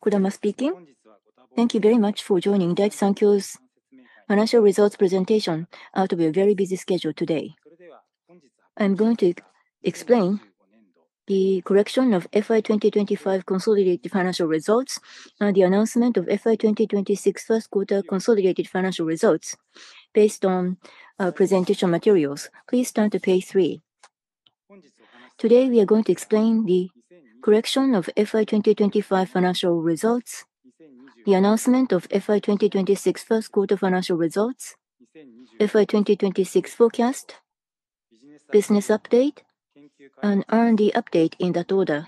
Kodama speaking. Thank you very much for joining Daiichi Sankyo's financial results presentation out of your very busy schedule today. I'm going to explain the correction of FY 2025 consolidated financial results and the announcement of FY 2026 first quarter consolidated financial results based on presentation materials. Please turn to page three. Today we are going to explain the correction of FY 2025 financial results, the announcement of FY 2026 first quarter financial results, FY 2026 forecast, business update, and R&D update in that order.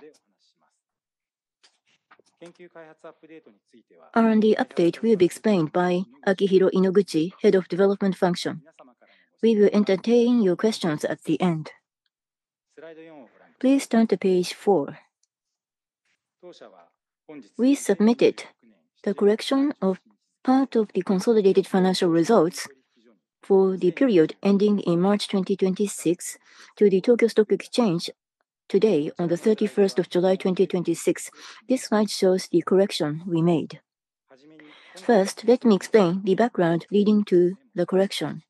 R&D update will be explained by Akihiro Inoguchi, Head of Development Function. We will entertain your questions at the end. Please turn to page four. We submitted the correction of part of the consolidated financial results for the period ending in March 2026 to the Tokyo Stock Exchange today on the 31st of July, 2026. This slide shows the correction we made. Let me explain the background leading to the correction.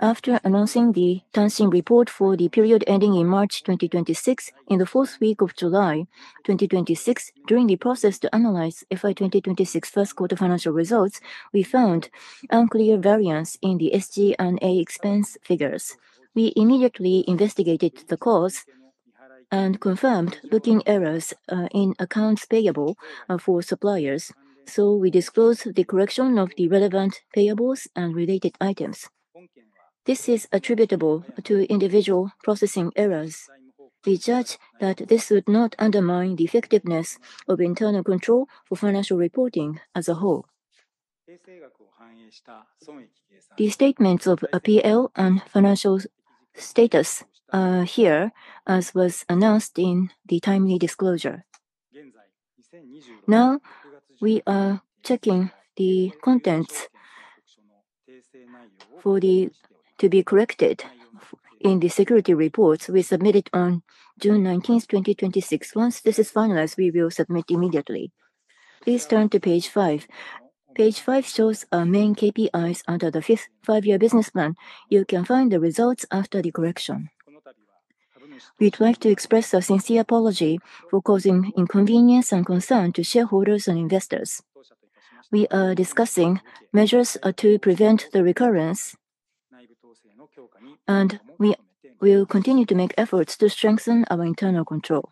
After announcing the Tanshin report for the period ending in March 2026 in the fourth week of July 2026, during the process to analyze FY 2026 first quarter financial results, we found unclear variance in the SG&A expense figures. We immediately investigated the cause and confirmed booking errors in accounts payable for suppliers. We disclosed the correction of the relevant payables and related items. This is attributable to individual processing errors. We judge that this would not undermine the effectiveness of internal control for financial reporting as a whole. The statements of P&L and financial status are here as was announced in the timely disclosure. We are checking the contents to be corrected in the security reports we submitted on June 19th, 2026. Once this is finalized, we will submit immediately. Please turn to page five. Page five shows our main KPIs under the fifth five-year business plan. You can find the results after the correction. We'd like to express our sincere apology for causing inconvenience and concern to shareholders and investors. We are discussing measures to prevent the recurrence, and we will continue to make efforts to strengthen our internal control.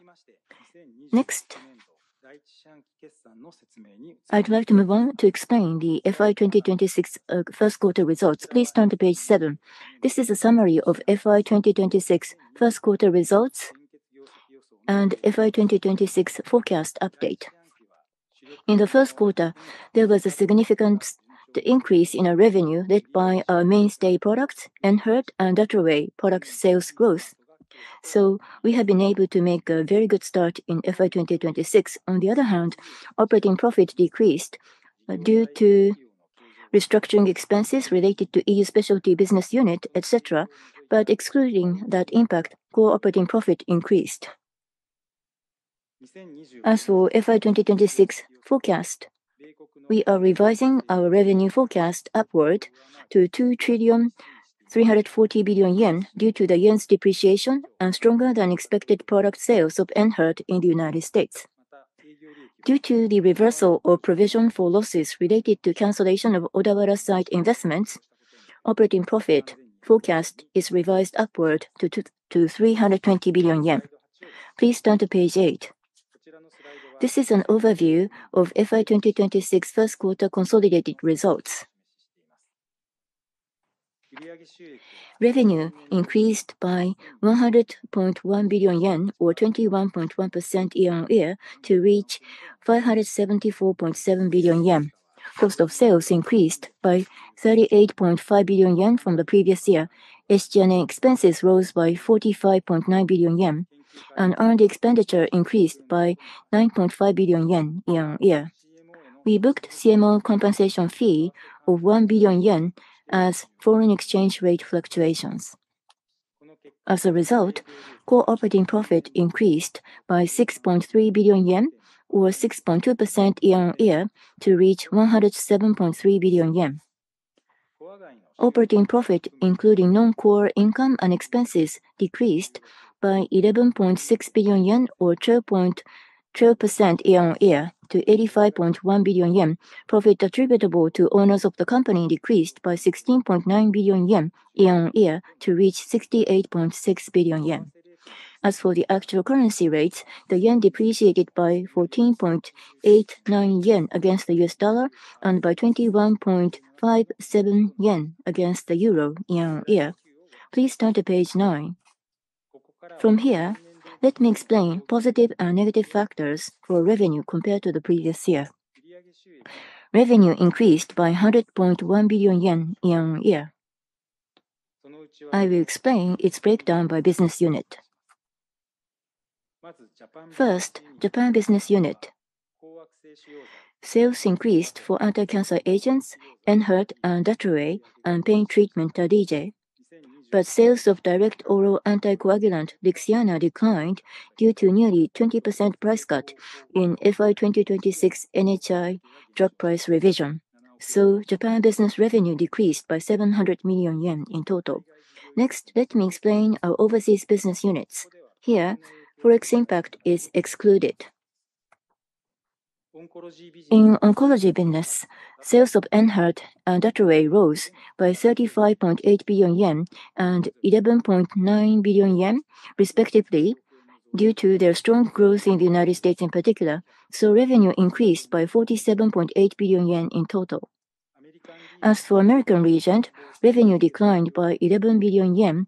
I'd like to move on to explain the FY 2026 first quarter results. Please turn to page seven. This is a summary of FY 2026 first quarter results and FY 2026 forecast update. In the first quarter, there was a significant increase in our revenue led by our mainstay products, ENHERTU and DATROWAY product sales growth. We have been able to make a very good start in FY 2026. Operating profit decreased due to restructuring expenses related to EU specialty business unit, et cetera. Excluding that impact, core operating profit increased. As for FY 2026 forecast, we are revising our revenue forecast upward to 2 trillion, 340 billion due to the yen's depreciation and stronger than expected product sales of ENHERTU in the U.S. Due to the reversal of provision for losses related to cancellation of Odawara site investments, operating profit forecast is revised upward to 320 billion yen. Please turn to page eight. This is an overview of FY 2026 first quarter consolidated results. Revenue increased by 100.1 billion yen, or 21.1% year-on-year to reach 574.7 billion yen. Cost of sales increased by 38.5 billion yen from the previous year. SG&A expenses rose by 45.9 billion yen, and earned expenditure increased by 9.5 billion yen year-on-year. We booked CMO compensation fee of 1 billion yen as foreign exchange rate fluctuations. As a result, core operating profit increased by 6.3 billion yen, or 6.2% year-on-year to reach 107.3 billion yen. Operating profit, including non-core income and expenses, decreased by 11.6 billion yen or 12.2% year-on-year to 85.1 billion yen. Profit attributable to owners of the company decreased by 16.9 billion yen year-on-year to reach 68.6 billion yen. As for the actual currency rates, the yen depreciated by 14.89 yen against the U.S. dollar and by 21.57 yen against the euro year-on-year. Please turn to page nine. From here, let me explain positive and negative factors for revenue compared to the previous year. Revenue increased by 100.1 billion yen year-on-year. I will explain its breakdown by business unit. First, Japan business unit sales increased for anti-cancer agents, ENHERTU and DATROWAY, and pain treatment, Tarlige. Sales of direct oral anticoagulant, LIXIANA, declined due to nearly 20% price cut in FY 2026 NHI drug price revision. Japan business revenue decreased by 700 million yen in total. Next, let me explain our overseas business units. Here, Forex impact is excluded. In oncology business, sales of ENHERTU and DATROWAY rose by 35.8 billion yen and 11.9 billion yen respectively due to their strong growth in the U.S. in particular, revenue increased by 47.8 billion yen in total. As for American region, revenue declined by 11 billion yen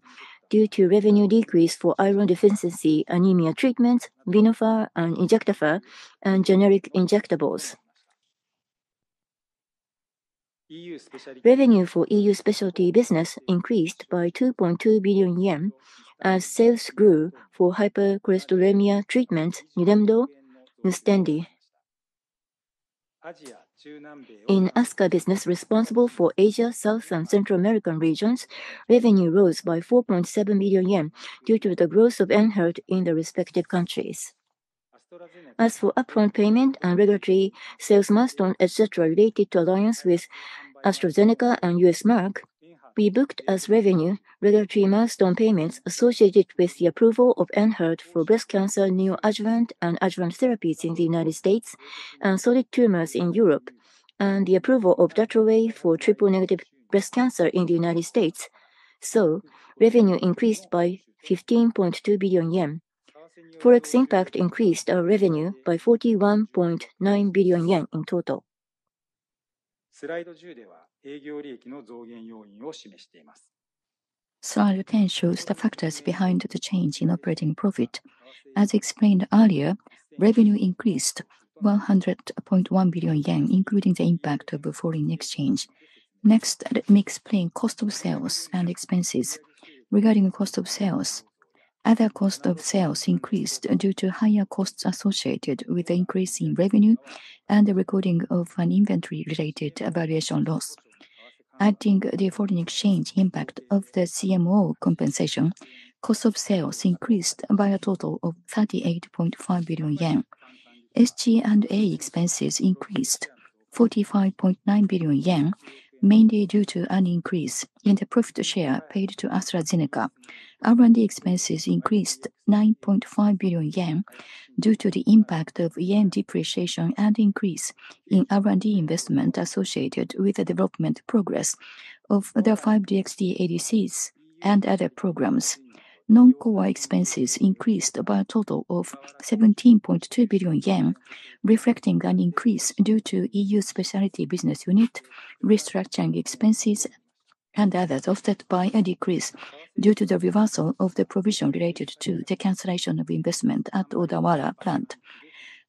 due to revenue decrease for iron deficiency anemia treatments, Venofer and Injectafer, and generic injectables. Revenue for EU Specialty business increased by 2.2 billion yen as sales grew for hypercholesterolemia treatments, Nilemdo, Nustendi. In ASCA business responsible for Asia, South and Central American regions, revenue rose by 4.7 billion yen due to the growth of ENHERTU in the respective countries. As for upfront payment and regulatory sales milestone, et cetera, related to alliance with AstraZeneca and Merck, we booked as revenue regulatory milestone payments associated with the approval of ENHERTU for breast cancer neo-adjuvant and adjuvant therapies in the U.S. and solid tumors in Europe, and the approval of DATROWAY for triple negative breast cancer in the U.S. Revenue increased by 15.2 billion yen. Forex impact increased our revenue by 41.9 billion yen in total. Slide 10 shows the factors behind the change in operating profit. As explained earlier, revenue increased 100.1 billion yen, including the impact of foreign exchange. Next, let me explain cost of sales and expenses. Regarding cost of sales, other cost of sales increased due to higher costs associated with the increase in revenue and the recording of an inventory-related valuation loss. Adding the foreign exchange impact of the CMO compensation, cost of sales increased by a total of 38.5 billion yen. SG&A expenses increased 45.9 billion yen, mainly due to an increase in the profit share paid to AstraZeneca. R&D expenses increased 9.5 billion yen due to the impact of yen depreciation and increase in R&D investment associated with the development progress of the five DXd ADCs and other programs. Non-core expenses increased by a total of 17.2 billion yen, reflecting an increase due to EU Specialty business unit restructuring expenses and others, offset by a decrease due to the reversal of the provision related to the cancellation of investment at Odawara Plant.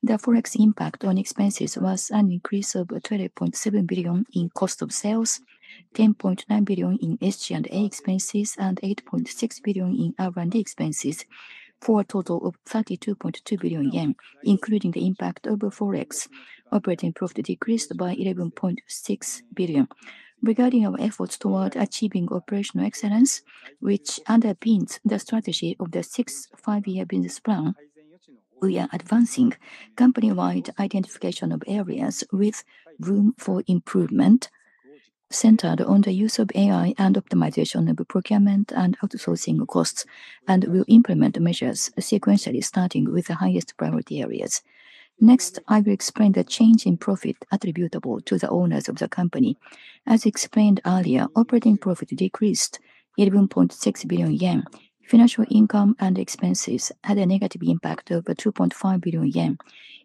The Forex impact on expenses was an increase of 20.7 billion in cost of sales, 10.9 billion in SG&A expenses, and 8.6 billion in R&D expenses, for a total of 32.2 billion yen, including the impact of Forex. Operating profit decreased by 11.6 billion. Regarding our efforts toward achieving operational excellence, which underpins the strategy of the sixth five-year business plan, we are advancing company-wide identification of areas with room for improvement centered on the use of AI and optimization of procurement and outsourcing costs, and will implement measures sequentially starting with the highest priority areas. I will explain the change in profit attributable to the owners of the company. As explained earlier, operating profit decreased 11.6 billion yen. Financial income and expenses had a negative impact of 2.5 billion yen.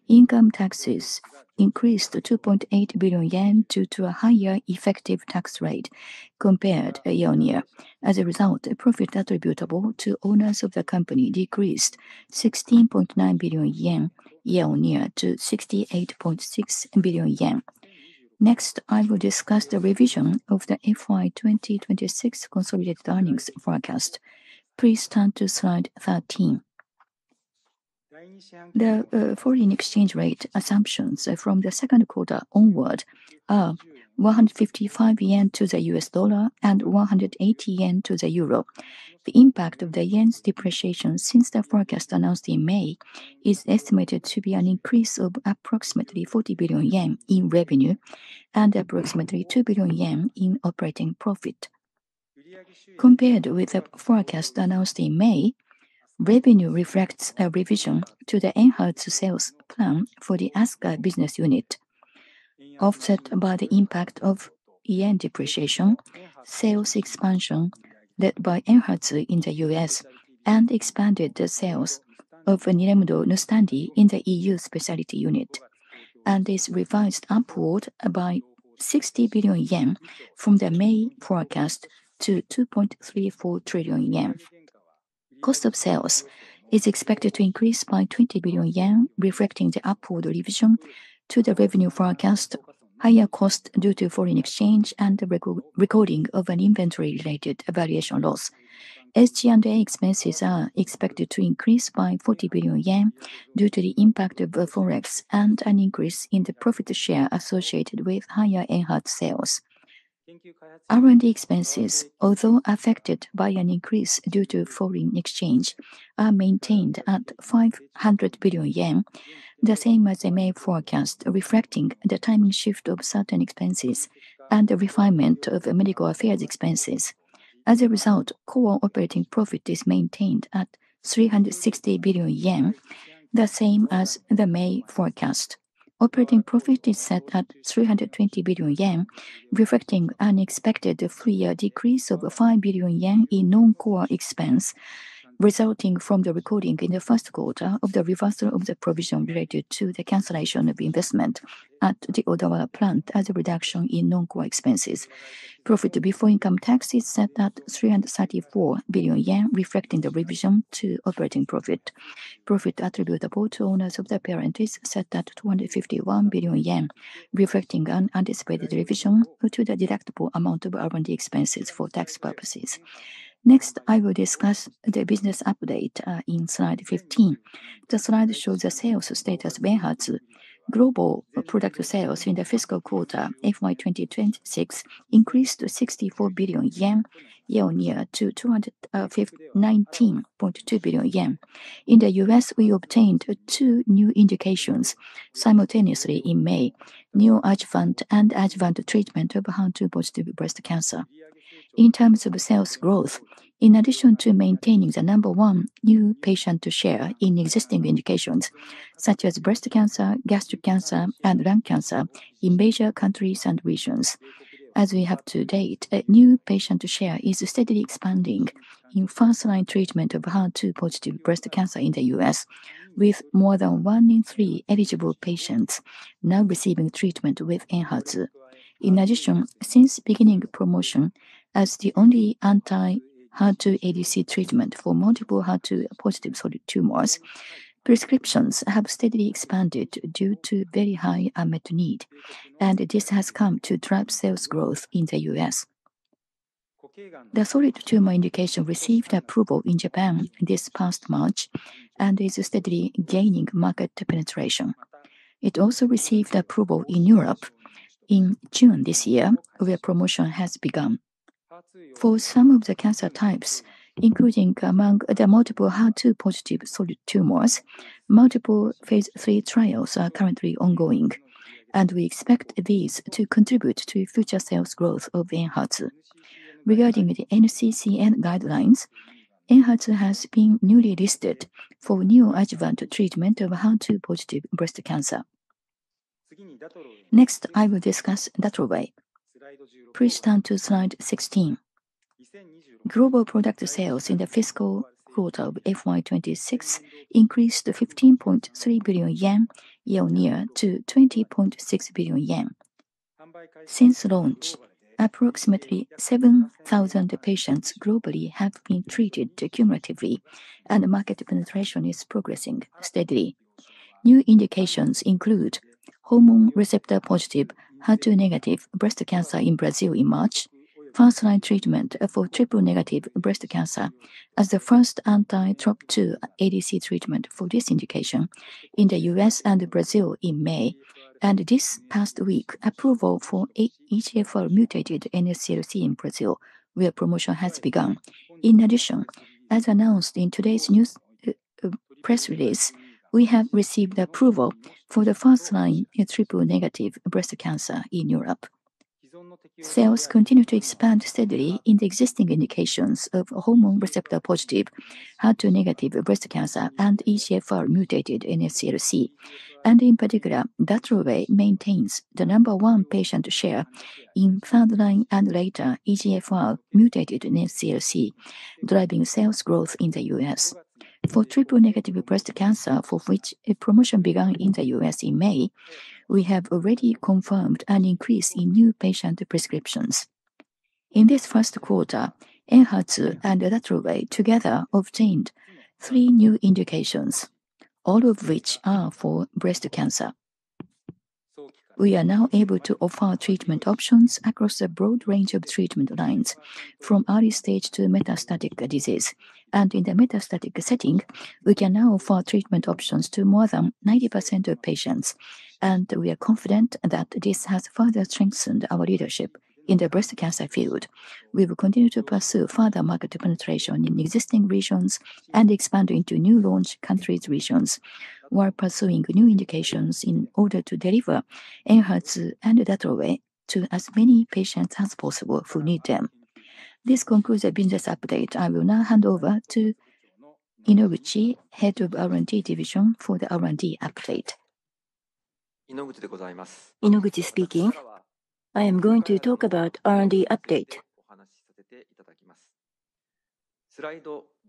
Income taxes increased to 2.8 billion yen due to a higher effective tax rate compared year-on-year. As a result, profit attributable to owners of the company decreased 16.9 billion yen year-on-year to 68.6 billion yen. I will discuss the revision of the FY 2026 consolidated earnings forecast. Please turn to slide 13. The foreign exchange rate assumptions from the second quarter onward are 155 yen to the U.S. dollar and 180 yen to the euro. The impact of the yen's depreciation since the forecast announced in May is estimated to be an increase of approximately 40 billion yen in revenue and approximately 2 billion yen in operating profit. Compared with the forecast announced in May, revenue reflects a revision to the ENHERTU sales plan for the ASCA business unit, offset by the impact of yen depreciation, sales expansion led by ENHERTU in the U.S., and expanded sales of Nilemdo, Nustendi in the EU Specialty unit, and is revised upward by 60 billion yen from the May forecast to 2.34 trillion yen. Cost of sales is expected to increase by 20 billion yen, reflecting the upward revision to the revenue forecast Higher cost due to foreign exchange and the recording of an inventory-related valuation loss. SG&A expenses are expected to increase by 40 billion yen due to the impact of the Forex and an increase in the profit share associated with higher ENHERTU sales. R&D expenses, although affected by an increase due to foreign exchange, are maintained at 500 billion yen, the same as the May forecast, reflecting the timing shift of certain expenses and the refinement of medical affairs expenses. As a result, core operating profit is maintained at 360 billion yen, the same as the May forecast. Operating profit is set at 320 billion yen, reflecting an expected full-year decrease of 5 billion yen in non-core expense, resulting from the recording in the first quarter of the reversal of the provision related to the cancellation of investment at the Odawara Plant as a reduction in non-core expenses. Profit before income tax is set at 334 billion yen, reflecting the revision to operating profit. Profit attributable to owners of the parent is set at 251 billion yen, reflecting an anticipated revision to the deductible amount of R&D expenses for tax purposes. Next, I will discuss the business update in slide 15. The slide shows the sales status of ENHERTU. Global product sales in the fiscal quarter, FY 2026, increased to 64 billion yen, year-on-year to 219.2 billion yen. In the U.S., we obtained two new indications simultaneously in May, neoadjuvant and adjuvant treatment of HER2-positive breast cancer. In terms of sales growth, in addition to maintaining the number one new patient share in existing indications such as breast cancer, gastric cancer, and lung cancer in major countries and regions. As we have to date, new patient share is steadily expanding in first-line treatment of HER2-positive breast cancer in the U.S., with more than one in three eligible patients now receiving treatment with ENHERTU. In addition, since beginning promotion as the only anti-HER2 ADC treatment for multiple HER2-positive solid tumors, prescriptions have steadily expanded due to very high unmet need, and this has come to drive sales growth in the U.S. The solid tumor indication received approval in Japan this past March and is steadily gaining market penetration. It also received approval in Europe in June this year, where promotion has begun. For some of the cancer types, including the multiple HER2-positive solid tumors, multiple phase III trials are currently ongoing, and we expect these to contribute to future sales growth of ENHERTU. Regarding the NCCN guidelines, ENHERTU has been newly listed for neoadjuvant treatment of HER2-positive breast cancer. Next, I will discuss DATROWAY. Please turn to slide 16. Global product sales in the fiscal quarter of FY 2026 increased to 15.3 billion yen, year-on-year to 20.6 billion yen. Since launch, approximately 7,000 patients globally have been treated cumulatively, and market penetration is progressing steadily. New indications include hormone receptor-positive, HER2-negative breast cancer in Brazil in March. First-line treatment for triple-negative breast cancer as the first anti-TROP2 ADC treatment for this indication in the U.S. and Brazil in May. This past week, approval for EGFR-mutated NSCLC in Brazil, where promotion has begun. In addition, as announced in today's news press release, we have received approval for the first-line triple-negative breast cancer in Europe. Sales continue to expand steadily in the existing indications of hormone receptor-positive, HER2-negative breast cancer and EGFR-mutated NSCLC. In particular, DATROWAY maintains the number one patient share in third line and later EGFR-mutated NSCLC, driving sales growth in the U.S. For triple-negative breast cancer, for which promotion began in the U.S. in May, we have already confirmed an increase in new patient prescriptions. In this first quarter, ENHERTU and DATROWAY together obtained three new indications, all of which are for breast cancer. We are now able to offer treatment options across a broad range of treatment lines, from early stage to metastatic disease. In the metastatic setting, we can now offer treatment options to more than 90% of patients, and we are confident that this has further strengthened our leadership in the breast cancer field. We will continue to pursue further market penetration in existing regions and expand into new launch countries' regions while pursuing new indications in order to deliver ENHERTU and DATROWAY to as many patients as possible who need them. This concludes the business update. I will now hand over to Inoguchi, Head of R&D Division for the R&D update. Inoguchi speaking. I am going to talk about R&D update.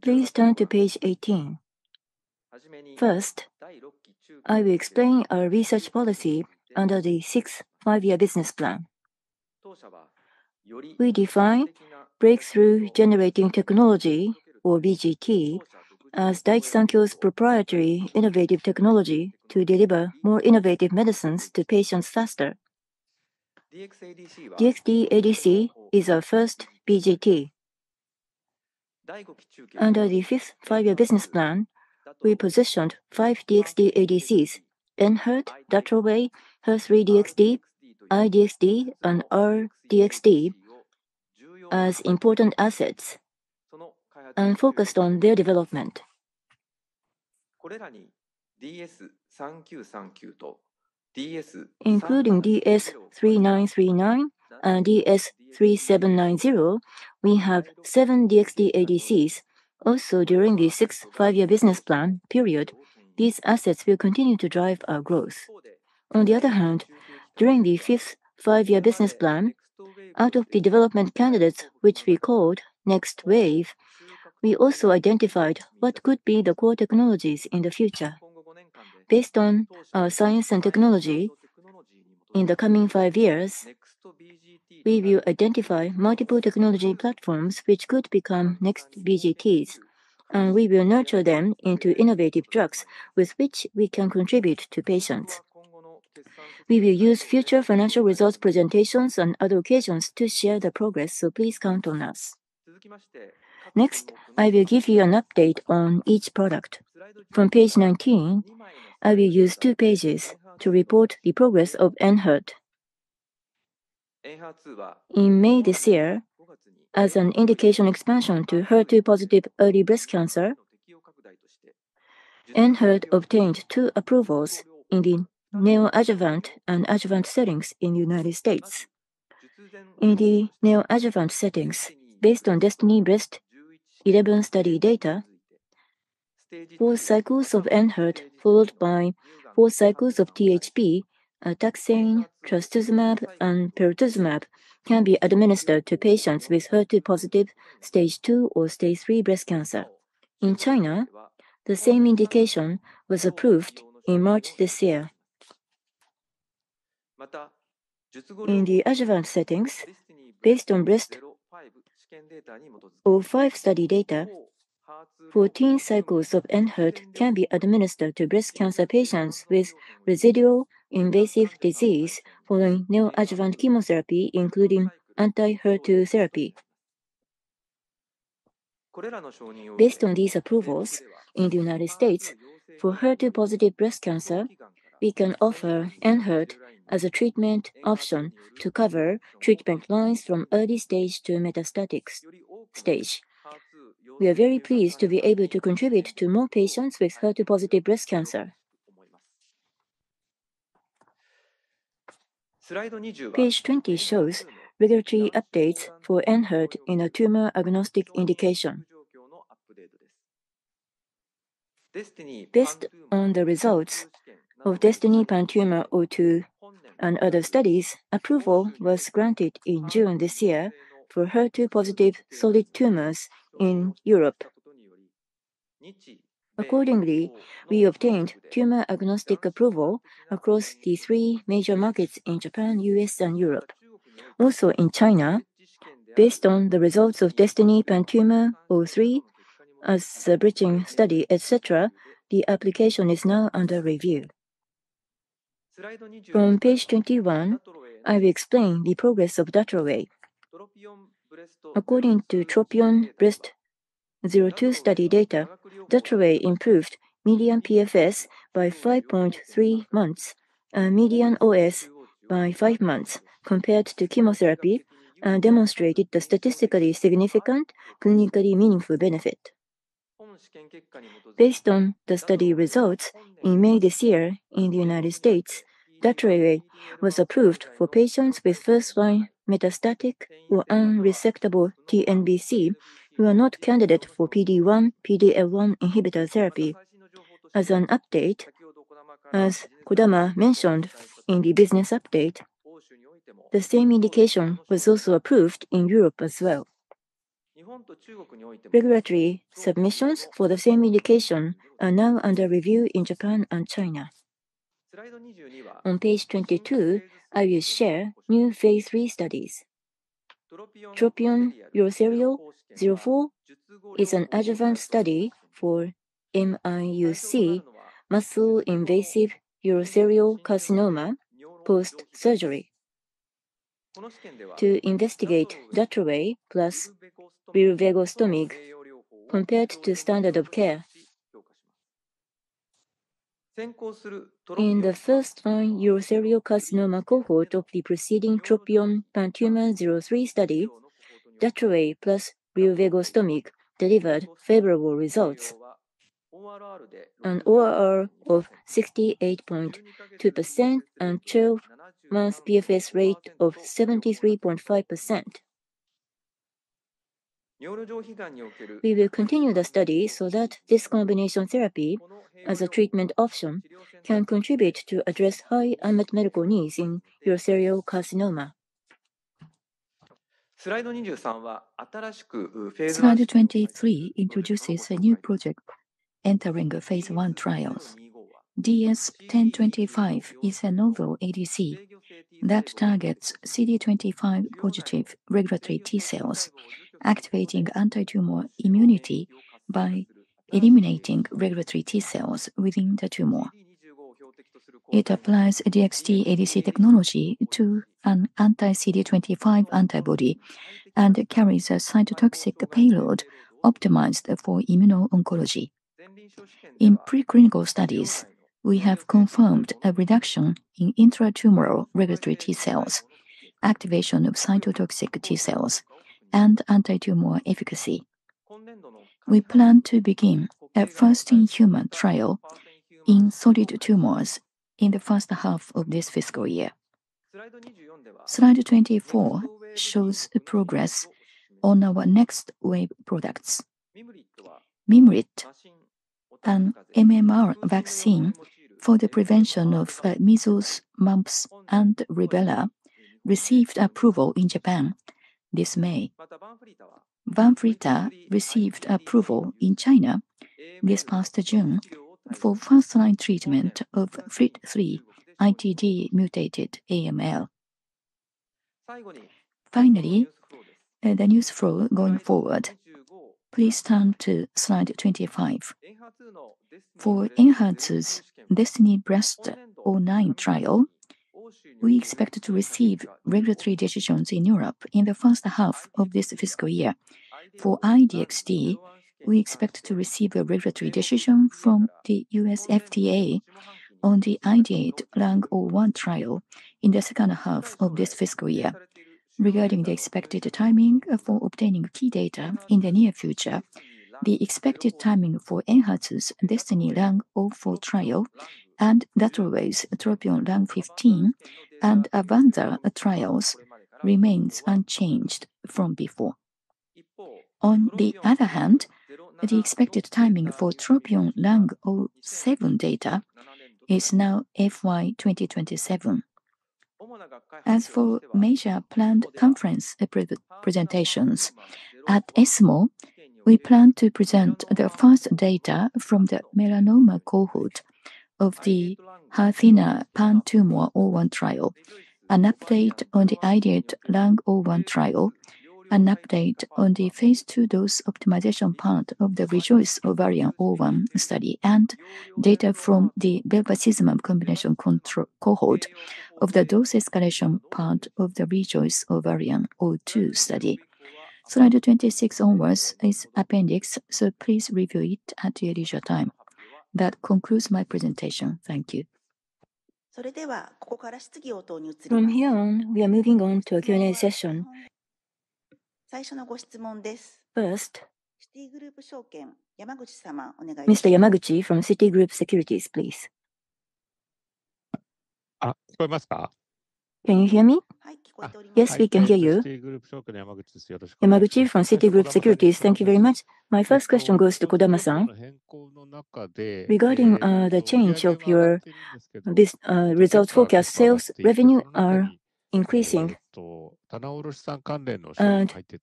Please turn to page 18. First, I will explain our research policy under the sixth five-year business plan. We define breakthrough generating technology, or BGT, as Daiichi Sankyo's proprietary innovative technology to deliver more innovative medicines to patients faster. DXd-ADC is our first BGT. Under the fifth five-year business plan, we positioned five DXd-ADCs, ENHERTU, DATROWAY, HER3-DXd, I-DXd, and R-DXd as important assets, and focused on their development. Including DS-3939 and DS-3790, we have seven DXd-ADCs. During the sixth five-year business plan period, these assets will continue to drive our growth. On the other hand, during the fifth five-year business plan, out of the development candidates which we called Next Wave, we also identified what could be the core technologies in the future. Based on our science and technology, in the coming five years, we will identify multiple technology platforms which could become next BGTs, and we will nurture them into innovative drugs with which we can contribute to patients. We will use future financial results presentations and other occasions to share the progress, please count on us. Next, I will give you an update on each product. From page 19, I will use two pages to report the progress of ENHERTU. In May this year, as an indication expansion to HER2-positive early breast cancer, ENHERTU obtained two approvals in the neoadjuvant and adjuvant settings in the U.S. In the neoadjuvant settings based on DESTINY-Breast11 study data, four cycles of ENHERTU followed by four cycles of THP, taxane, trastuzumab, and pertuzumab can be administered to patients with HER2-positive stage 2 or stage 3 breast cancer. In China, the same indication was approved in March this year. In the adjuvant settings based on Breast-05 study data, 14 cycles of ENHERTU can be administered to breast cancer patients with residual invasive disease following neoadjuvant chemotherapy including anti-HER2 therapy. Based on these approvals in the U.S. for HER2-positive breast cancer, we can offer ENHERTU as a treatment option to cover treatment lines from early stage to metastatic stage. We are very pleased to be able to contribute to more patients with HER2-positive breast cancer. Page 20 shows regulatory updates for ENHERTU in a tumor-agnostic indication. Based on the results of DESTINY-PanTumor02 and other studies, approval was granted in June this year for HER2-positive solid tumors in Europe. Accordingly, we obtained tumor-agnostic approval across the three major markets in Japan, U.S., and Europe. In China, based on the results of DESTINY-PanTumor03 as a bridging study, et cetera, the application is now under review. From page 21, I will explain the progress of DATROWAY. According to TROPION-Breast02 study data, DATROWAY improved median PFS by 5.3 months, and median OS by five months compared to chemotherapy, and demonstrated a statistically significant clinically meaningful benefit. Based on the study results in May this year in the U.S., DATROWAY was approved for patients with first-line metastatic or unresectable TNBC who are not candidate for PD-1, PD-L1 inhibitor therapy. As an update, as Kodama mentioned in the business update, the same indication was also approved in Europe as well. Regulatory submissions for the same indication are now under review in Japan and China. On page 22, I will share new phase III studies. TROPION-Urothelial04 is an adjuvant study for MIUC, muscle invasive urothelial carcinoma post-surgery to investigate DATROWAY plus rilvegostomig compared to standard of care. In the first-line urothelial carcinoma cohort of the preceding TROPION-PanTumor03 study, DATROWAY plus rilvegostomig delivered favorable results, an ORR of 68.2% and 12-month PFS rate of 73.5%. We will continue the study so that this combination therapy as a treatment option can contribute to address high unmet medical needs in urothelial carcinoma. Slide 23 introduces a new project entering phase I trials. DS-1025 is a novel ADC that targets CD25-positive regulatory T cells, activating antitumor immunity by eliminating regulatory T cells within the tumor. It applies DXd ADC technology to an anti-CD25 antibody, and it carries a cytotoxic payload optimized for immuno-oncology. In preclinical studies, we have confirmed a reduction in intratumoral regulatory T cells, activation of cytotoxic T cells, and antitumor efficacy. We plan to begin our first human trial in solid tumors in the first half of this fiscal year. Slide 24 shows the progress on our next-wave products. Mearit, an MMR vaccine for the prevention of measles, mumps, and rubella, received approval in Japan this May. VANFLYTA received approval in China this past June for first-line treatment of FLT3-ITD-mutated AML. Finally, the news flow going forward. Please turn to slide 25. ENHERTU's DESTINY-Breast09 trial, we expect to receive regulatory decisions in Europe in the first half of this fiscal year. I-DXd, we expect to receive a regulatory decision from the U.S. FDA on the IDeate-Lung01 trial in the second half of this fiscal year. Regarding the expected timing for obtaining key data in the near future, the expected timing for ENHERTU's DESTINY-Lung04 trial, and DATROWAY's TROPION-Lung15, and AVANZAR trials remains unchanged from before. On the other hand, the expected timing for TROPION-Lung07 data is now FY 2027. As for major planned conference presentations, at ESMO, we plan to present the first data from the melanoma cohort of the HERTHENA-PanTumor01 trial, an update on the IDeate-Lung01 trial, an update on the phase II dose optimization part of the REJOICE-Ovarian01 study, and data from the bevacizumab combination cohort of the dose escalation part of the REJOICE-Ovarian02 study. Slide 26 onwards is appendix. Please review it at your leisure time. That concludes my presentation. Thank you. From here on, we are moving on to a Q&A session. First, Mr. Hidemaru from Citigroup Securities, please. Can you hear me? Yes, we can hear you. Hidemaru from Citigroup Securities. Thank you very much. My first question goes to Kodama. Regarding the change of your results forecast, sales revenue are increasing, and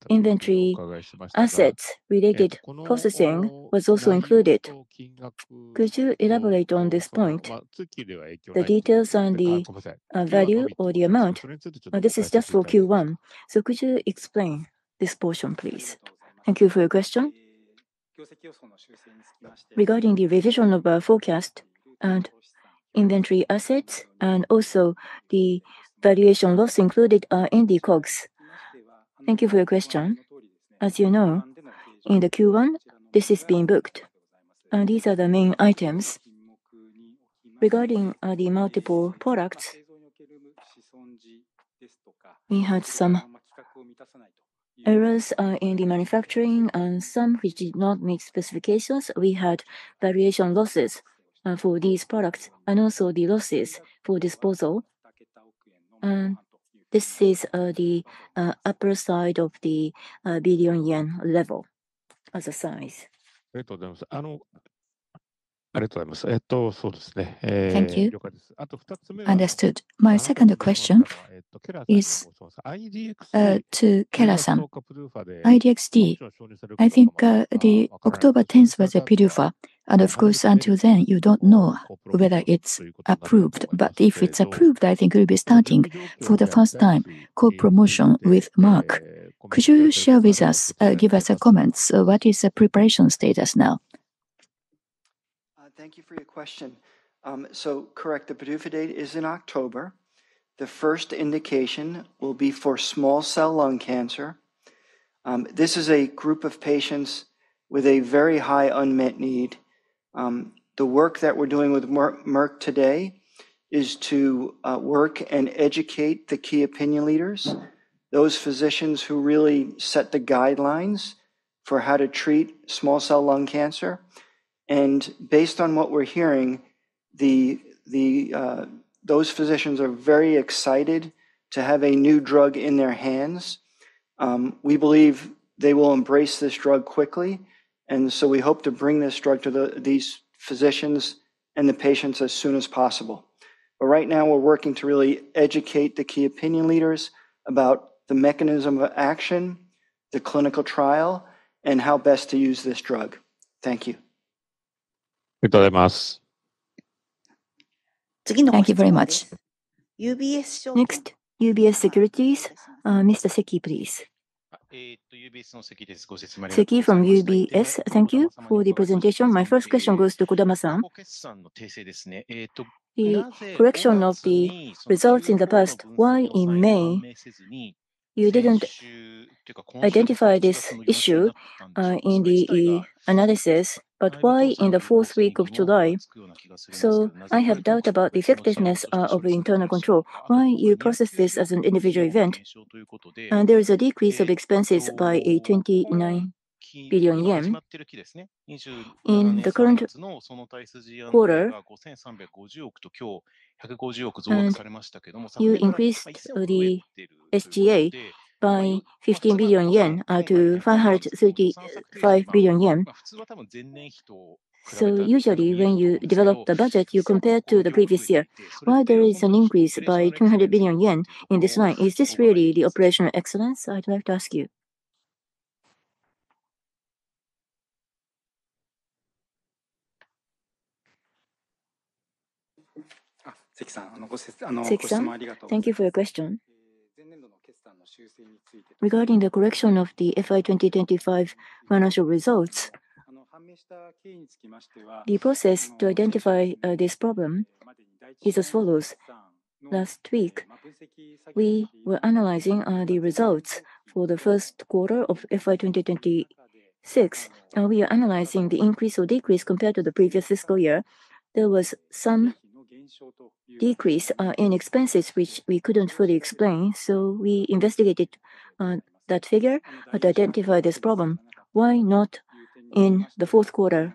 inventory assets related processing was also included. Could you elaborate on this point, the details on the value or the amount? This is just for Q1. Could you explain this portion, please? Thank you for your question. Regarding the revision of our forecast and inventory assets, and also the valuation loss included are in the COGS. Thank you for your question. As you know, in Q1, this is being booked, and these are the main items. Regarding the multiple products, we had some errors in the manufacturing and some which did not meet specifications. We had valuation losses for these products and also the losses for disposal. This is the upper side of the billion JPY level as a size. Thank you. Understood. My second question is to Keller. I-DXd. I think October 10th was the PDUFA, and of course, until then, you don't know whether it's approved. If it's approved, I think it'll be starting for the first time, co-promotion with Merck. Could you share with us, give us comments. What is the preparation status now? Thank you for your question. Correct, the PDUFA date is in October. The first indication will be for small cell lung cancer. This is a group of patients with a very high unmet need. The work that we're doing with Merck today is to work and educate the key opinion leaders, those physicians who really set the guidelines for how to treat small cell lung cancer. Based on what we're hearing, those physicians are very excited to have a new drug in their hands. We believe they will embrace this drug quickly, and so we hope to bring this drug to these physicians and the patients as soon as possible. Right now, we're working to really educate the key opinion leaders about the mechanism of action, the clinical trial, and how best to use this drug. Thank you. Thank you very much. Next, UBS Securities, Mr. Sakai, please. Sakai from UBS. Thank you for the presentation. My first question goes to Kodama-san. The correction of the results in the past, why in May? You didn't identify this issue in the analysis, but why in the fourth week of July? I have doubt about the effectiveness of internal control. Why you process this as an individual event, and there is a decrease of expenses by 29 billion yen in the current quarter. You increased the SG&A by 15 billion-535 billion yen. Usually when you develop the budget, you compare to the previous year. Why there is an increase by 200 billion yen in this line? Is this really the operational excellence? I'd like to ask you. Sakai-san, thank you for your question. Regarding the correction of the FY 2025 financial results, the process to identify this problem is as follows. Last week, we were analyzing the results for the first quarter of FY 2026. We are analyzing the increase or decrease compared to the previous fiscal year. There was some decrease in expenses, which we couldn't fully explain, we investigated that figure to identify this problem. Why not in the fourth quarter?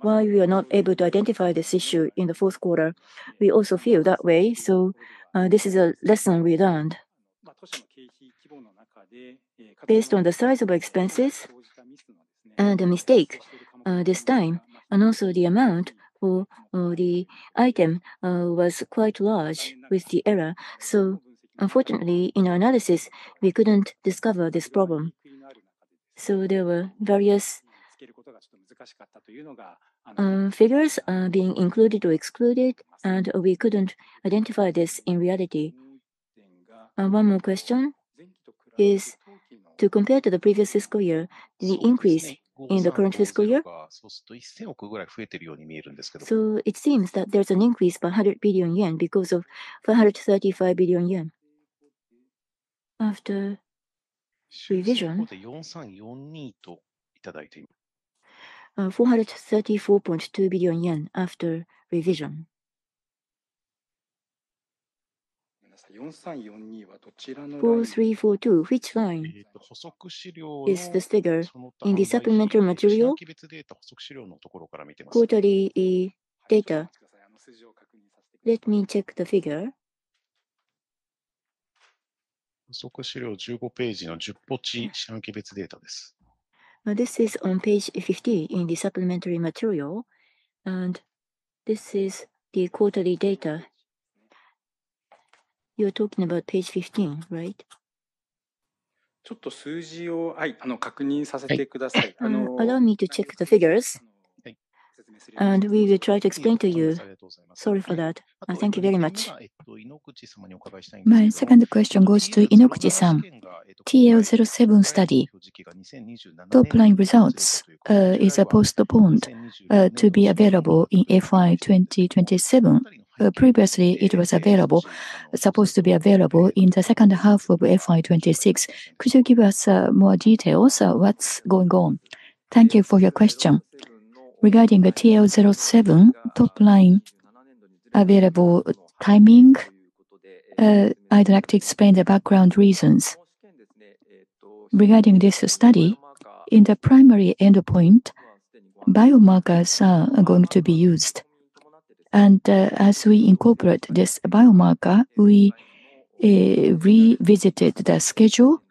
Why we are not able to identify this issue in the fourth quarter? We also feel that way, this is a lesson we learned. Based on the size of expenses and the mistake this time, and also the amount for the item was quite large with the error. Unfortunately, in our analysis, we couldn't discover this problem. There were various figures being included or excluded, and we couldn't identify this in reality. One more question is to compare to the previous fiscal year, the increase in the current fiscal year. It seems that there's an increase by 100 billion yen because of 435 billion yen after revision. 434.2 billion yen after revision. 4342. Which line is this figure in the supplementary material quarterly data? Let me check the figure. This is on page 50 in the supplementary material, and this is the quarterly data. You're talking about page 15, right? Allow me to check the figures, and we will try to explain to you. Sorry for that. Thank you very much. My second question goes to Inoguchi-san. TROPION-Lung07 study top-line results is postponed to be available in FY 2027. Previously, it was supposed to be available in the second half of FY 2026. Could you give us more details of what's going on? Thank you for your question. Regarding the TROPION-Lung07 top-line available timing, I'd like to explain the background reasons. Regarding this study, in the primary endpoint, biomarkers are going to be used. As we incorporate this biomarker, we revisited the schedule,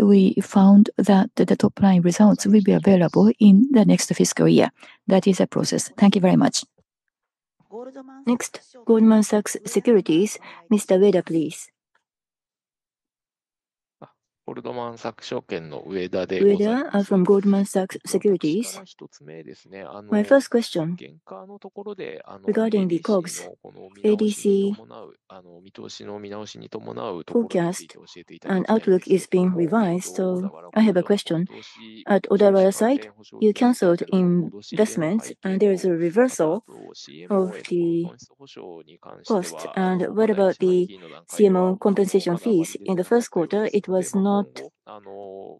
we found that the top-line results will be available in the next fiscal year. That is a process. Thank you very much. Next, Goldman Sachs Securities, Mr. Ueda, please. Ueda from Goldman Sachs Securities. My first question regarding the COGS, ADC forecast and outlook is being revised. I have a question. At Odawara Plant, you canceled investments and there is a reversal of the costs. What about the CMO compensation fees? In the first quarter, it was not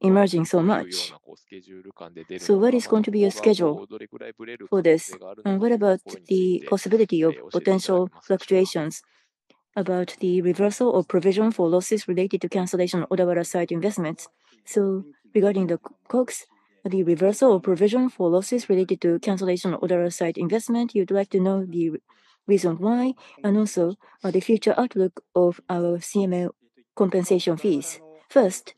emerging so much. What is going to be your schedule for this? What about the possibility of potential fluctuations about the reversal or provision for losses related to cancellation of Odawara Plant site investments? Regarding the COGS, the reversal or provision for losses related to cancellation of Odawara Plant site investment, you would like to know the reason why, and also the future outlook of our CMO compensation fees. First,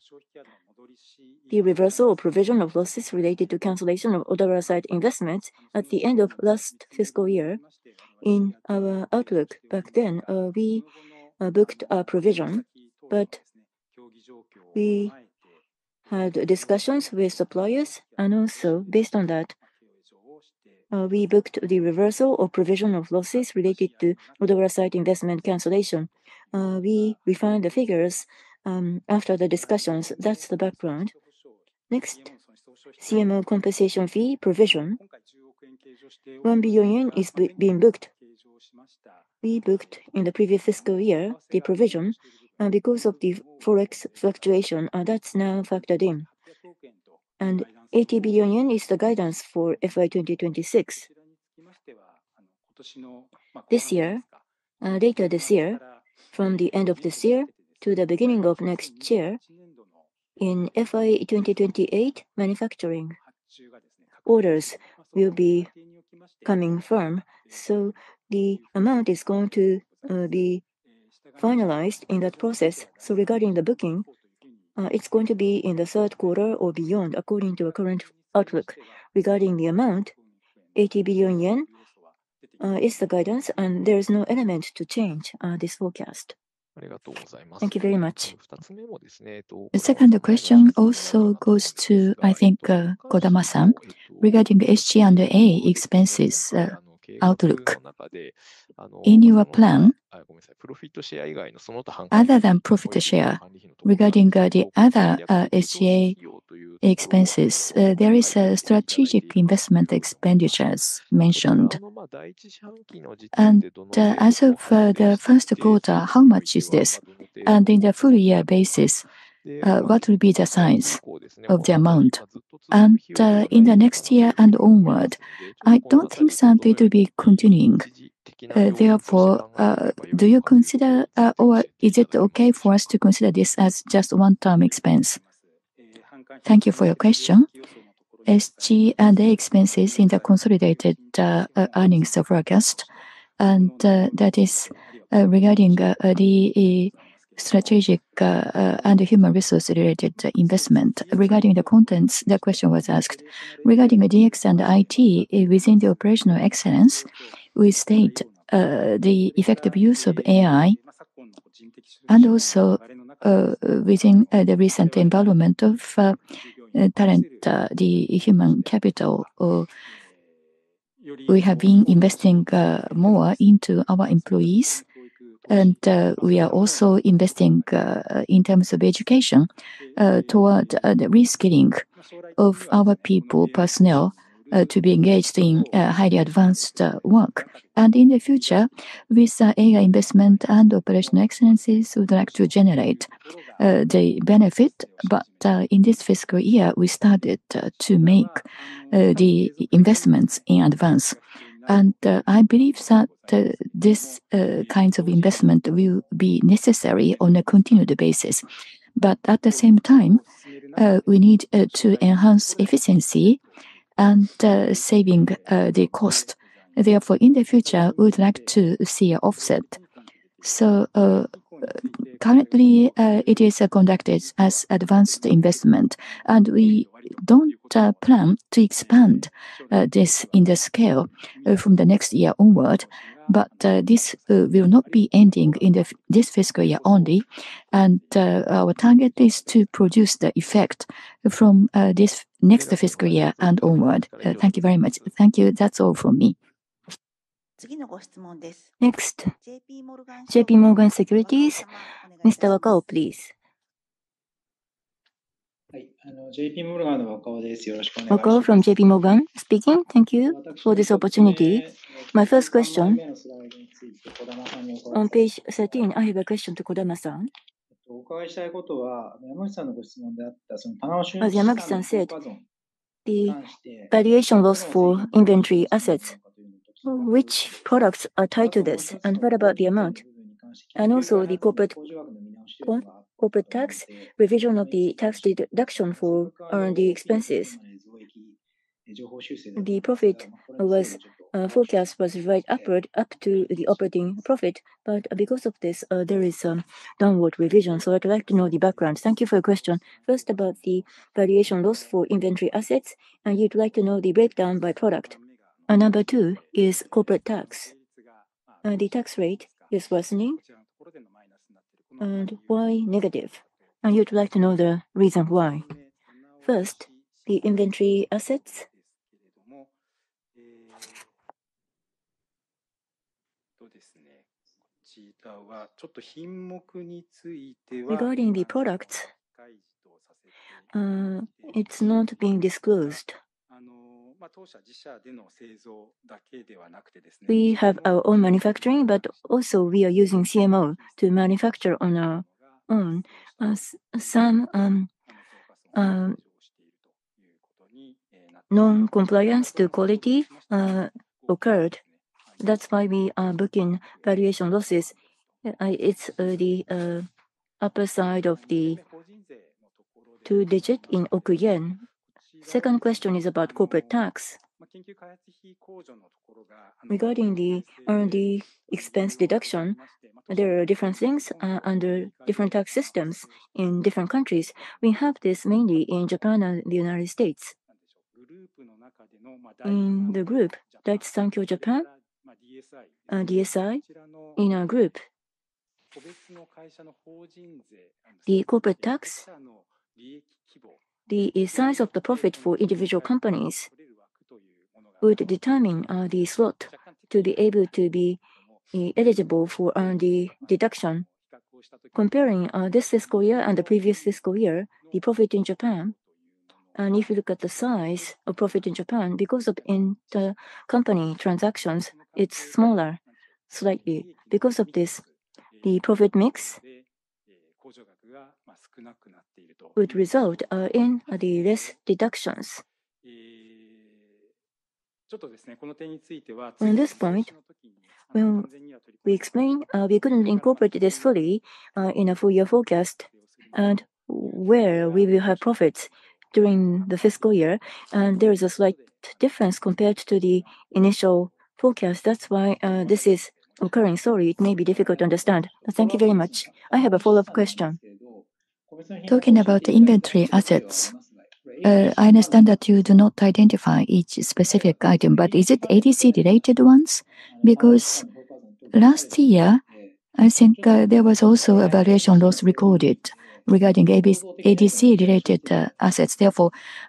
the reversal or provision of losses related to cancellation of Odawara Plant site investments at the end of last fiscal year. In our outlook back then, we booked a provision, but we had discussions with suppliers and also based on that, we booked the reversal or provision of losses related to Odawara Plant site investment cancellation. We refined the figures after the discussions. That is the background. Next, CMO compensation fee provision. 1 billion yen is being booked. We booked in the previous fiscal year the provision, and because of the Forex fluctuation, that is now factored in. JPY 80 billion is the guidance for FY 2026. Later this year, from the end of this year to the beginning of next year in FY 2028, manufacturing orders will be coming firm. The amount is going to be finalized in that process. Regarding the booking, it is going to be in the third quarter or beyond, according to our current outlook. Regarding the amount, 80 billion yen is the guidance and there is no element to change this forecast. Thank you very much. The second question also goes to, I think, Kodama-san, regarding SG&A expenses outlook. In your plan, other than profit share, regarding the other SG&A expenses, there are strategic investment expenditures mentioned. As of the first quarter, how much is this? In the full-year basis, what will be the size of the amount? In the next year and onward, I do not think that it will be continuing. Therefore, do you consider or is it okay for us to consider this as just a one-time expense? Thank you for your question. SG&A expenses in the consolidated earnings forecast, and that is regarding the strategic and human resource-related investment. Regarding the contents, that question was asked. Regarding the DX and IT within the operational excellence, we state the effective use of AI and also within the recent involvement of talent, the human capital, we have been investing more into our employees, and we are also investing in terms of education toward the reskilling of our personnel to be engaged in highly advanced work. In the future, with AI investment and operational excellences, we would like to generate the benefit. In this fiscal year, we started to make the investments in advance. I believe that these kinds of investment will be necessary on a continued basis. At the same time, we need to enhance efficiency and save the cost. Therefore, in the future, we would like to see an offset. Currently, it is conducted as advanced investment, and we do not plan to expand this in the scale from the next year onward. This will not be ending in this fiscal year only, and our target is to produce the effect from this next fiscal year and onward. Thank you very much. Thank you. That is all from me. Next, JPMorgan Securities, Mr. Wakao, please. Wakao from JPMorgan speaking. Thank you for this opportunity. My first question, on page 13, I have a question to Kodama-san. As Hidemaru-san said, the valuation loss for inventory assets, which products are tied to this and what about the amount? Also the corporate tax revision of the tax deduction for R&D expenses. The profit forecast was right upward up to the operating profit. Because of this, there is a downward revision. I'd like to know the background. Thank you for your question. First, about the valuation loss for inventory assets, and you'd like to know the breakdown by product. Number two is corporate tax. The tax rate is worsening. Why negative? You'd like to know the reason why. First, the inventory assets. Regarding the products, it's not being disclosed. We have our own manufacturing, but also we are using CMO to manufacture on our own. Some non-compliance to quality occurred. That's why we are booking valuation losses. It's the upper side of the two digit in JPY 100 Second question is about corporate tax. Regarding the R&D expense deduction, there are different things under different tax systems in different countries. We have this mainly in Japan and the U.S. In the group, Daiichi Sankyo Japan, DSI, in our group, the corporate tax, the size of the profit for individual companies would determine the slot to be able to be eligible for R&D deduction. Comparing this fiscal year and the previous fiscal year, the profit in Japan, if you look at the size of profit in Japan, because of intercompany transactions, it's smaller slightly. Because of this, the profit mix would result in the less deductions. On this point, when we explain, we couldn't incorporate this fully in a full-year forecast and where we will have profits during the fiscal year, there is a slight difference compared to the initial forecast. That's why this is occurring. Sorry, it may be difficult to understand. Thank you very much. I have a follow-up question. Talking about inventory assets, I understand that you do not identify each specific item, but is it ADC related ones? Last year, I think there was also a valuation loss recorded regarding ADC related assets.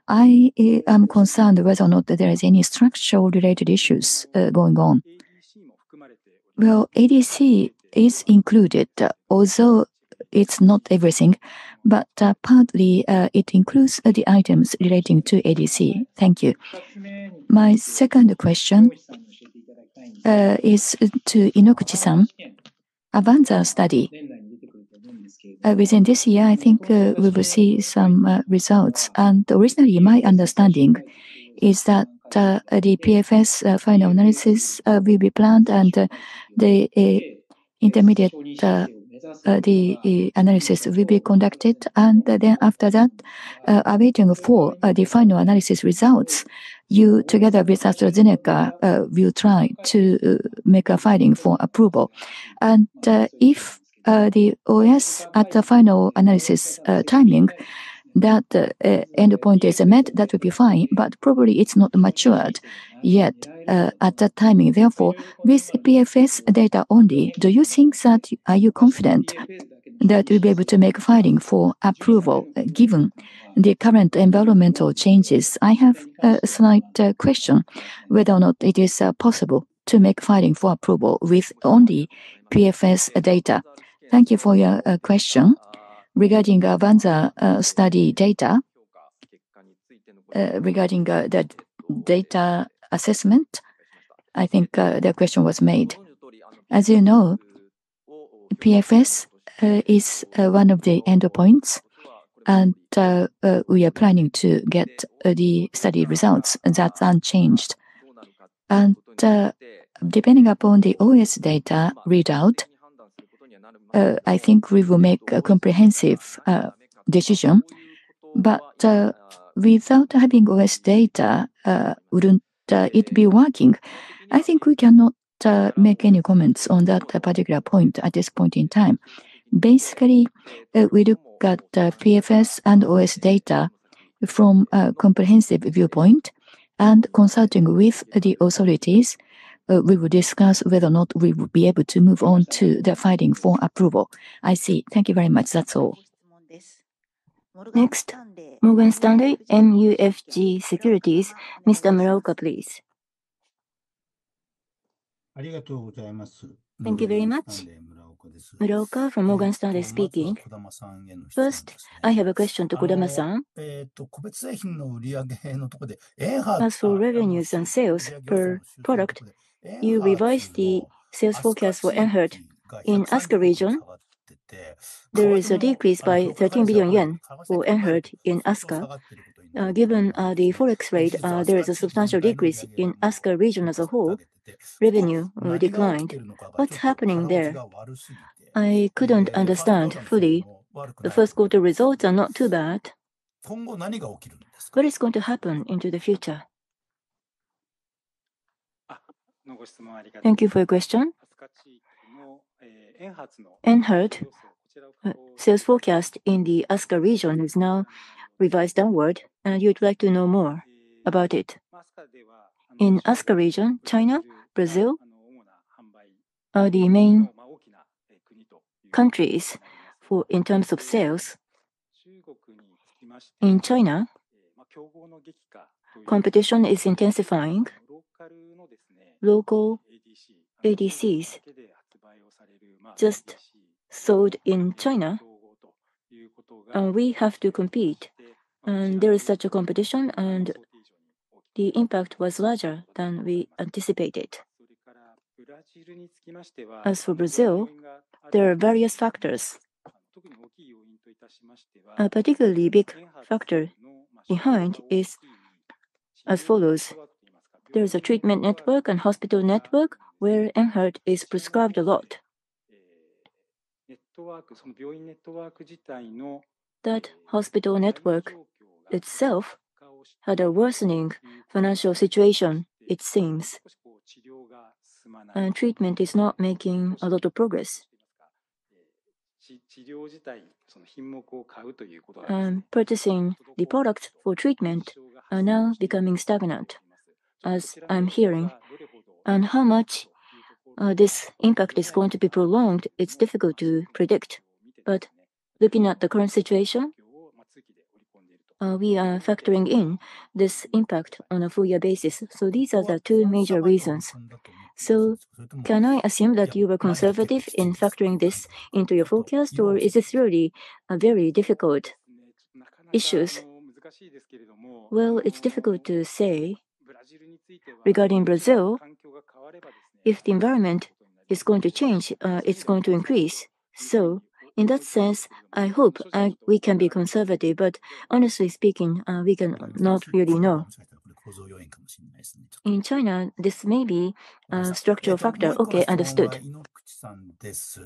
I am concerned whether or not there is any structural related issues going on. ADC is included, although it's not everything, but partly it includes the items relating to ADC. Thank you. My second question is to Inoguchi-san. AVANZAR study. Within this year, I think we will see some results. Originally, my understanding is that the PFS final analysis will be planned and the intermediate analysis will be conducted. Then after that, awaiting for the final analysis results, you, together with AstraZeneca, will try to make a filing for approval. If the OS at the final analysis timing, that endpoint is met, that would be fine, but probably it's not matured yet at that timing. With PFS data only, do you think that, are you confident that you'll be able to make filing for approval given the current environmental changes? I have a slight question whether or not it is possible to make filing for approval with only PFS data. Thank you for your question. Regarding AVANZAR study data, regarding that data assessment, I think the question was made. As you know, PFS is one of the endpoints, we are planning to get the study results, that's unchanged. Depending upon the OS data readout, I think we will make a comprehensive decision. Without having OS data, wouldn't it be working? I think we cannot make any comments on that particular point at this point in time. Basically, we look at PFS and OS data from a comprehensive viewpoint, and consulting with the authorities, we will discuss whether or not we will be able to move on to the filing for approval. I see. Thank you very much. That's all. Next, Morgan Stanley MUFG Securities, Mr. Muraoka, please. Thank you very much. Muraoka from Morgan Stanley speaking. First, I have a question to Kodama-san. As for revenues and sales per product, you revised the sales forecast for ENHERTU. In ASCA region, there is a decrease by 13 billion yen for ENHERTU in ASCA. Given the Forex rate, there is a substantial decrease in ASCA region as a whole. Revenue declined. What's happening there? I couldn't understand fully. The first quarter results are not too bad. What is going to happen into the future? Thank you for your question. ENHERTU sales forecast in the ASCA region is now revised downward, and you would like to know more about it. In ASCA region, China, Brazil are the main countries in terms of sales. In China, competition is intensifying. Local ADCs just sold in China, and we have to compete. There is such a competition, and the impact was larger than we anticipated. As for Brazil, there are various factors. A particularly big factor behind is as follows. There is a treatment network and hospital network where ENHERTU is prescribed a lot. That hospital network itself had a worsening financial situation, it seems. Treatment is not making a lot of progress. Purchasing the product for treatment are now becoming stagnant, as I'm hearing. How much this impact is going to be prolonged, it's difficult to predict. Looking at the current situation, we are factoring in this impact on a full-year basis. These are the two major reasons. Can I assume that you were conservative in factoring this into your forecast, or is this really a very difficult issue? Well, it's difficult to say. Regarding Brazil, if the environment is going to change, it's going to increase. In that sense, I hope we can be conservative. Honestly speaking, we cannot really know. In China, this may be a structural factor. Okay, understood.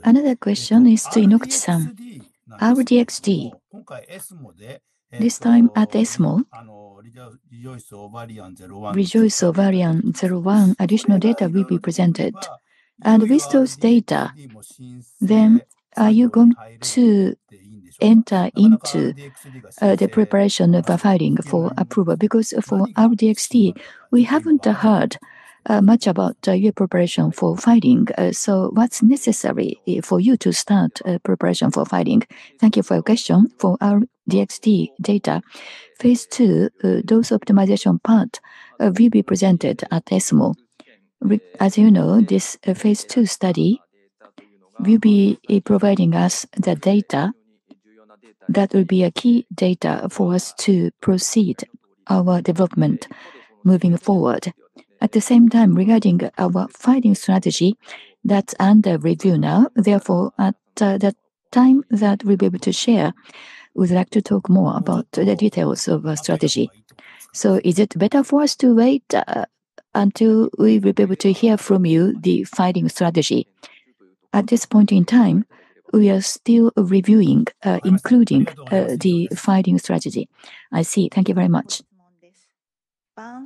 Another question is to Inoguchi-san. R-DXd. This time at ESMO, REJOICE-Ovarian01 additional data will be presented. With those data, then are you going to enter into the preparation of a filing for approval? For R-DXd, we haven't heard much about your preparation for filing. What's necessary for you to start preparation for filing? Thank you for your question. For R-DXd data, phase II, dose optimization part will be presented at ESMO. As you know, this phase II study will be providing us the data that will be a key data for us to proceed our development moving forward. At the same time, regarding our filing strategy, that's under review now. Therefore, at the time that we'll be able to share, we'd like to talk more about the details of our strategy. Is it better for us to wait until we will be able to hear from you the filing strategy? At this point in time, we are still reviewing, including the filing strategy. I see. Thank you very much.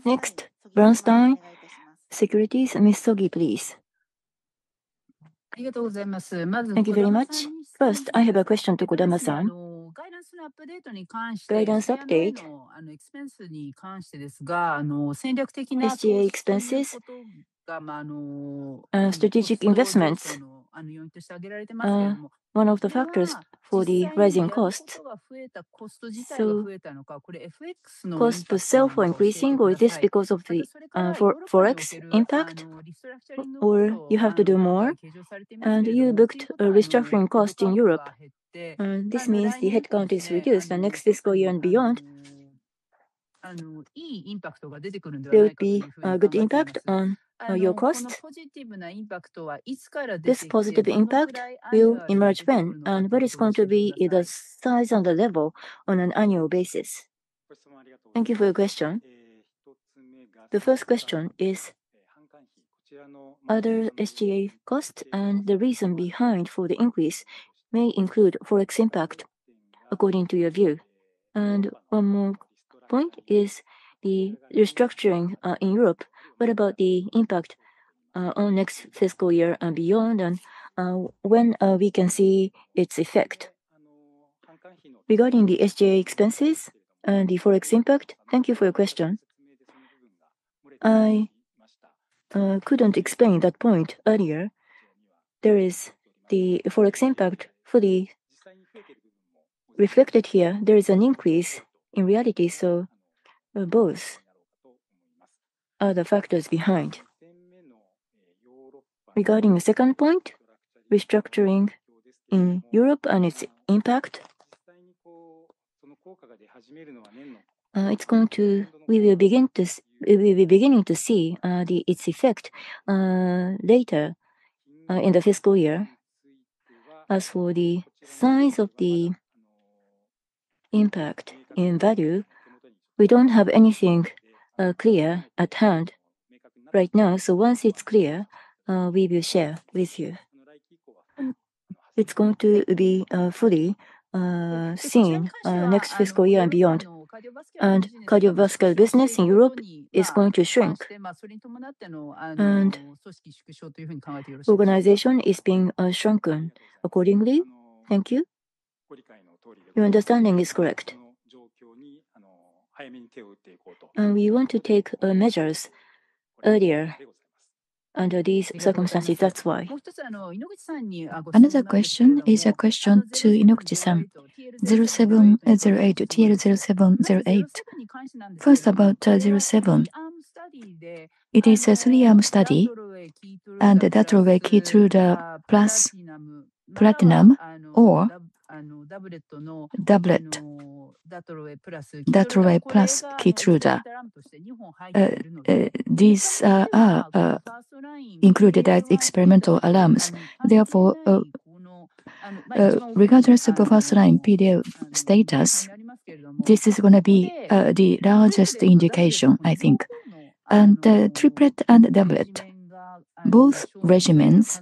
Next, Bernstein Securities, Ms. Sogi, please. Thank you very much. First, I have a question to Kodama-san. Guidance update. SG&A expenses and strategic investments are one of the factors for the rising cost. Costs for sale were increasing, or is this because of the Forex impact? You have to do more, and you booked a restructuring cost in Europe. This means the headcount is reduced, and next fiscal year and beyond, there will be a good impact on your cost. This positive impact will emerge when? What is going to be the size and the level on an annual basis? Thank you for your question. The first question is other SG&A costs and the reason behind for the increase may include Forex impact according to your view. One more point is the restructuring in Europe. What about the impact on next fiscal year and beyond, and when we can see its effect? Regarding the SG&A expenses and the Forex impact, thank you for your question. I couldn't explain that point earlier. There is the Forex impact fully reflected here. There is an increase in reality. Both are the factors behind. Regarding the second point, restructuring in Europe and its impact, we'll be beginning to see its effect later in the fiscal year. As for the size of the impact in value, we don't have anything clear at hand right now. Once it's clear, we will share with you. It's going to be fully seen next fiscal year and beyond. Cardiovascular business in Europe is going to shrink, and organization is being shrunken accordingly. Thank you. Your understanding is correct. We want to take measures earlier under these circumstances. That's why. Another question is a question to Inoguchi-san. TL07,08. First, about 07. It is a three-arm study, DATROWAY KEYTRUDA plus platinum or doublet DATROWAY plus KEYTRUDA. These are included as experimental arms. Therefore, regardless of the first-line PD-L1 status, this is going to be the largest indication, I think. Triplet and doublet. Both regimens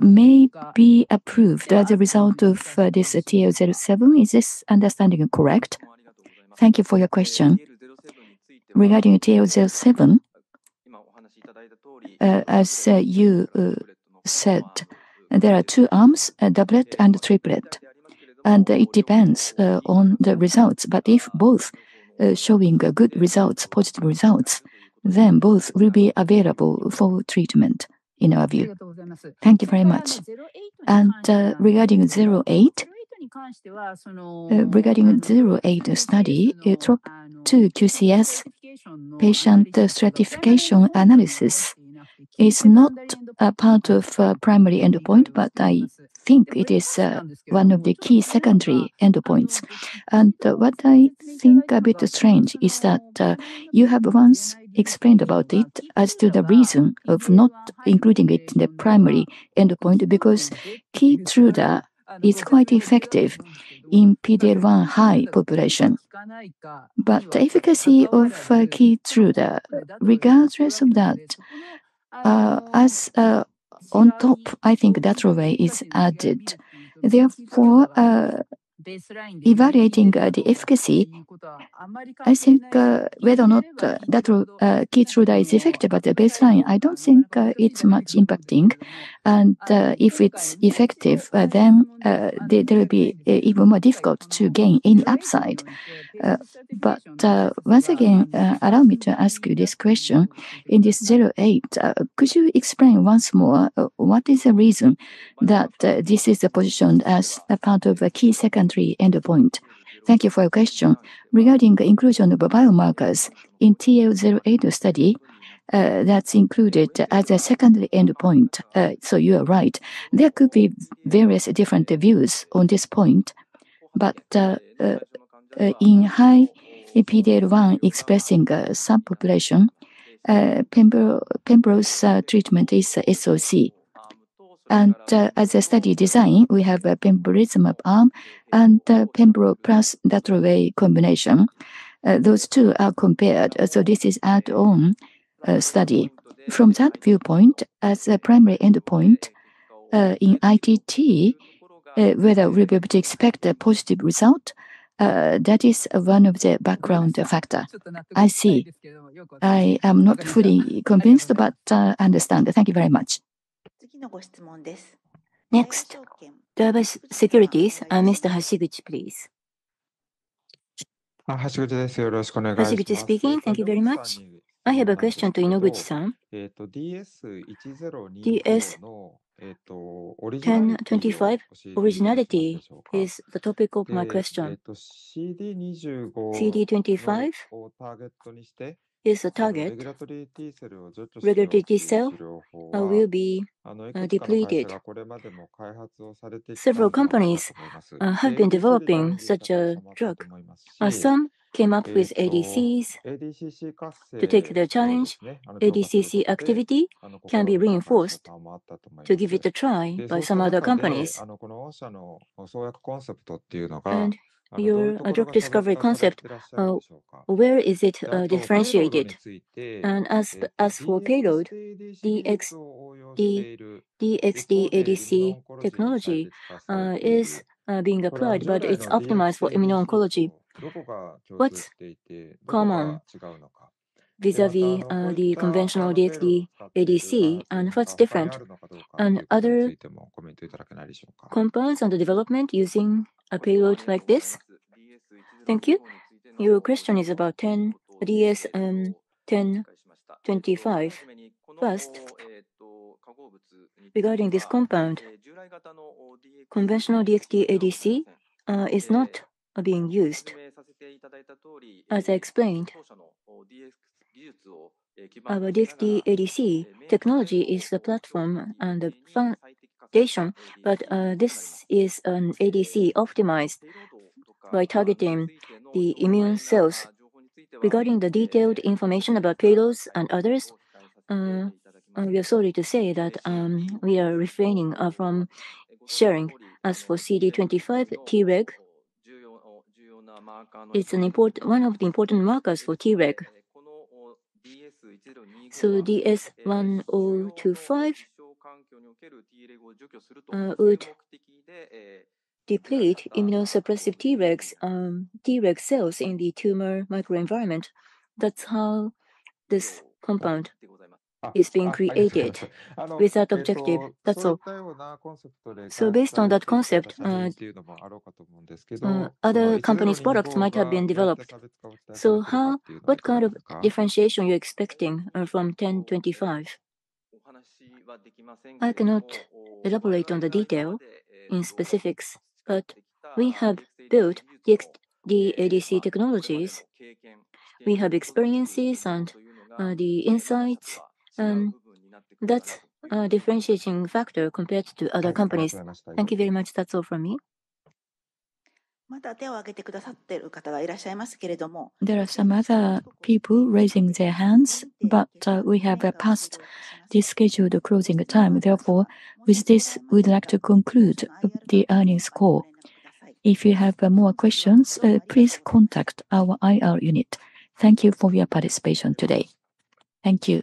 may be approved as a result of this TA007. Is this understanding correct? Thank you for your question. Regarding TA007, as you said, there are two arms, a doublet and a triplet, and it depends on the results. If both are showing good results, positive results, both will be available for treatment in our view. Thank you very much. Regarding 08 study, TROP2 QCS patient stratification analysis is not a part of primary endpoint, but I think it is one of the key secondary endpoints. What I think a bit strange is that you have once explained about it as to the reason of not including it in the primary endpoint, because KEYTRUDA is quite effective in PD-L1 high population. The efficacy of KEYTRUDA, regardless of that, on top, I think datopotamab deruxtecan is added. Evaluating the efficacy, I think, whether or not KEYTRUDA is effective at the baseline, I don't think it is much impacting. If it is effective, then there will be even more difficult to gain any upside. Once again, allow me to ask you this question. In this TROPION-Lung08, could you explain once more, what is the reason that this is positioned as a part of a key secondary endpoint? Thank you for your question. Regarding the inclusion of biomarkers in TROPION-Lung08 study, that is included as a secondary endpoint. You are right. There could be various different views on this point. In high PD-L1 expressing subpopulation, pembrolizumab treatment is SOC. As a study design, we have a pembrolizumab arm and pembro plus datopotamab deruxtecan combination. Those two are compared. This is add-on study. From that viewpoint, as a primary endpoint, in ITT, whether we will be able to expect a positive result, that is one of the background factor. I see. I am not fully convinced, but understand. Thank you very much. Next, Daiwa Securities, Mr. Hashiguchi, please. Kazuaki speaking. Thank you very much. I have a question to Inoguchi-san. DS-1025 originality is the topic of my question. CD25 is the target. Regulatory T cell will be depleted. Several companies have been developing such a drug. Some came up with ADCs to take the challenge. ADCC activity can be reinforced. To give it a try by some other companies. Your drug discovery concept, where is it differentiated? As for payload, DXd ADC technology is being applied, but it is optimized for immuno-oncology. What is common vis-à-vis the conventional DXd ADC and what is different? Other compounds under development using a payload like this? Thank you. Your question is about DS-1025. First, regarding this compound, conventional DXd ADC is not being used. As I explained, our DXd ADC technology is the platform and the foundation, but this is an ADC optimized by targeting the immune cells. Regarding the detailed information about payloads and others, we are sorry to say that we are refraining from sharing. As for CD25 T-reg, it is one of the important markers for T-reg. DS-1025 would deplete immunosuppressive T-reg cells in the tumor microenvironment. That is how this compound is being created. With that objective. That is all. Based on that concept, other companies' products might have been developed. What kind of differentiation are you expecting from DS-1025? I cannot elaborate on the detail in specifics. We have built the ADC technologies. We have experiences and the insights. That's a differentiating factor compared to other companies. Thank you very much. That's all from me. There are some other people raising their hands. We have passed the scheduled closing time. With this, we'd like to conclude the earnings call. If you have more questions, please contact our IR unit. Thank you for your participation today. Thank you.